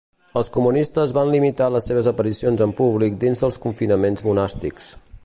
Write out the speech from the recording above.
Els comunistes van limitar les seves aparicions en públic dins dels confinaments monàstics.